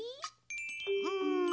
うん。